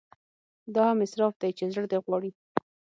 دا هم اسراف دی چې زړه دې غواړي.